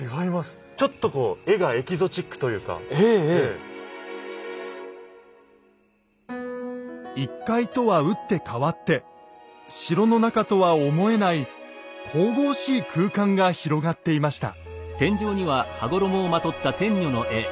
ちょっとこう１階とは打って変わって城の中とは思えない神々しい空間が広がっていました。